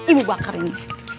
ibu bakar ini